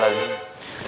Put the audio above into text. masa berbisik bening